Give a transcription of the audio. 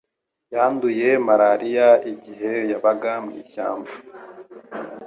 Yanduye malariya igihe yabaga mu mashyamba.